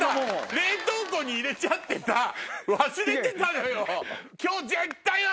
冷凍庫に入れちゃってさ忘れてたのよ。